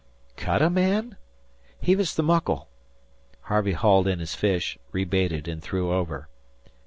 "Cut a man? Heave 's the muckle." Harvey hauled in his fish, rebaited, and threw over.